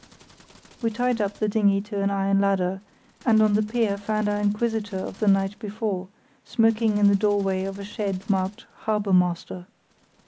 We tied up the dinghy to an iron ladder, and on the pier found our inquisitor of the night before smoking in the doorway of a shed marked "Harbour Master".